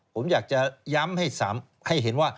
ผมอยากจะย้ำให้เห็นว่า